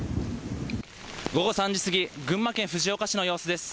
午後３時過ぎ、群馬県藤岡市の様子です。